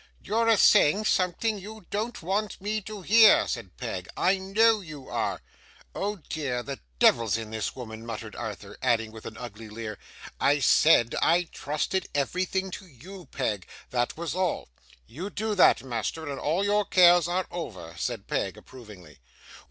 'You're a saying something you don't want me to hear,' said Peg; 'I know you are.' 'Oh dear! the devil's in this woman,' muttered Arthur; adding with an ugly leer, 'I said I trusted everything to you, Peg. That was all.' 'You do that, master, and all your cares are over,' said Peg approvingly.